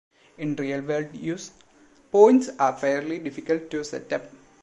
In real-world use, points are fairly difficult to set up.